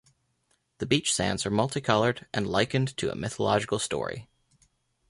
The beach sands are multi-coloured and likened to a mythological story.